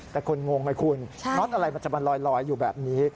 แต่คนงงไหมคุณน็อตอะไรมันจะมันลอยอยู่แบบนี้